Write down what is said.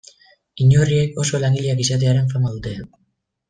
Inurriek oso langileak izatearen fama dute.